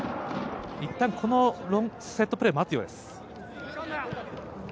いったんこのセットプレーを待つようです。